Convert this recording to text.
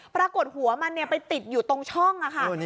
ปรากฏหัวมันไปติดอยู่ตรงช่องค่ะ